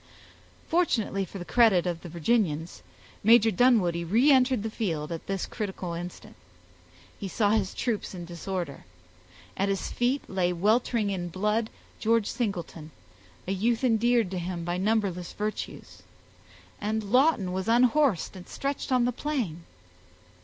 Fortunately for the credit of the Virginians, Major Dunwoodie reentered the field at this critical instant; he saw his troops in disorder; at his feet lay weltering in blood George Singleton, a youth endeared to him by numberless virtues, and Lawton was unhorsed and stretched on the plain.